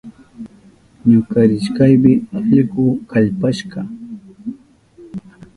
Ñuka rishpayni allkuka kallpashka.